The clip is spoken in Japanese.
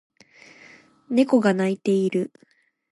猫が鳴いている